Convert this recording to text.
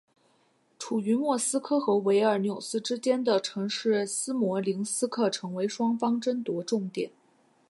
处于莫斯科和维尔纽斯之间的城市斯摩棱斯克成为双方争夺重点。